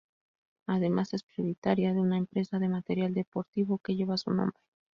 Además, es propietaria de una empresa de material deportivo que lleva su nombre.